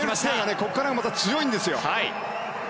ここから強いんですよ。